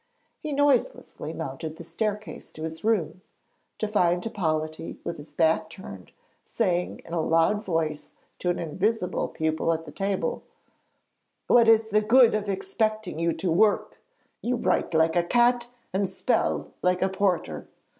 He noiselessly mounted the staircase to his room, to find Hippolyte with his back turned, saying, in a loud voice, to an invisible pupil at the table: 'What is the good of expecting you to work? You write like a cat and spell like a porter.